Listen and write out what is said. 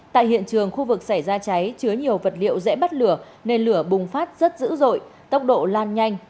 tại hiện trường khu vực xảy ra cháy chứa nhiều vật liệu dễ bắt lửa nên lửa bùng phát rất dữ dội tốc độ lan nhanh